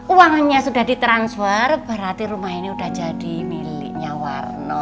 uangnya sudah di transfer berarti rumah ini udah jadi miliknya warno